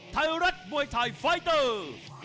ไทยรัฐมวยไทยไฟเตอร์